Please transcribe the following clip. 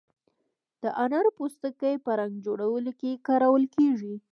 د انارو پوستکی په رنګ جوړولو کې کارول کیږي.